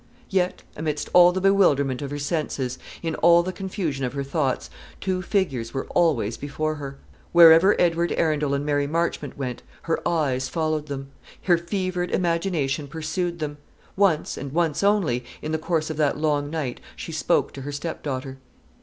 Yet, amidst all the bewilderment of her senses, in all the confusion of her thoughts, two figures were always before her. Wherever Edward Arundel and Mary Marchmont went, her eyes followed them her fevered imagination pursued them. Once, and once only, in the course of that long night she spoke to her stepdaughter.